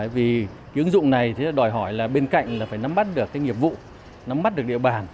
vì cái ứng dụng này thì đòi hỏi là bên cạnh là phải nắm bắt được cái nghiệp vụ nắm mắt được địa bàn